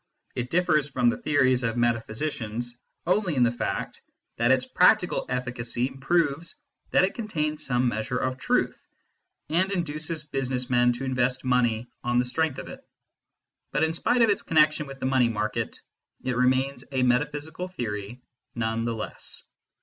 It differs from the theories of metaphysicians only in the fact that its practical efficacy proves that it contains some measure of truth and induces business men to invest money on the strength of it ; but, in spite of its connection with the money market, it remains a metaphysical theory none the less.